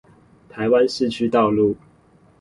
台灣市區道路